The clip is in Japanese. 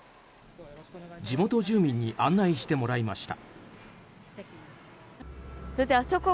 地元住民に案内してもらいました。